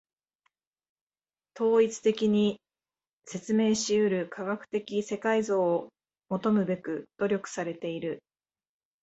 統一的に説明し得る科学的世界像を求むべく努力されている。